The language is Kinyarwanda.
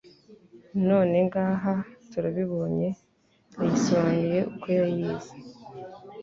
None ngaha turabibonye Yayisobanuye ukwo yayize!